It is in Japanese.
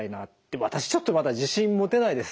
私ちょっとまだ自信持てないです。